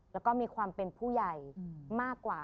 แล้วก็มีความเป็นผู้ใหญ่มากกว่า